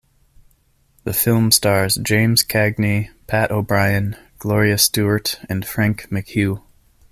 The film stars James Cagney, Pat O'Brien, Gloria Stuart and Frank McHugh.